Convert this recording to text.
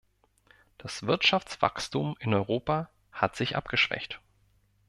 Das Wirtschaftswachstum in Europa hat sich abgeschwächt.